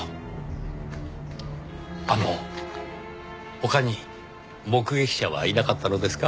あの他に目撃者はいなかったのですか？